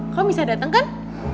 kamu bisa dateng kan